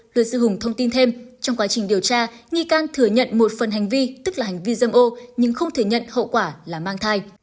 luật sư hùng thông tin thêm trong quá trình điều tra nghi can thừa nhận một phần hành vi tức là hành vi dâm ô nhưng không thể nhận hậu quả là mang thai